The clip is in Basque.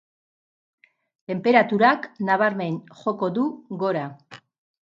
Tenperaturak nabarmen joko du gora.